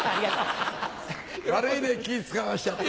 悪いねキぃ使わしちゃって。